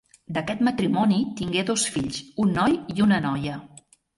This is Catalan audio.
D'aquest matrimoni tingué dos fills—un noi i una noia--.